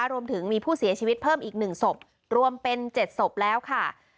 รวมถึงมีผู้เสียชีวิตเพิ่มอีก๑ศพรวมเป็น๗ศพแล้วค่ะ